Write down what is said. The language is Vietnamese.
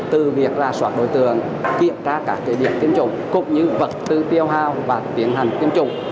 từ việc ra soát đối tượng kiểm tra các điểm tiêm chủng cũng như vật tư tiêu hào và tiến hành tiêm chủng